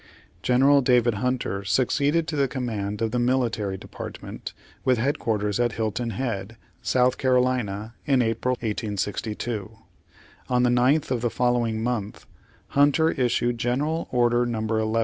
General David Hunter succeeded to the com mand of the military department with head quarters at Hilton Head, S. C., in April 1862. On the 9th of the following month. Hunter issued General Order No. 11.